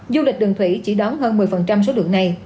du lịch đường thủy chỉ đón hơn một mươi số lượng này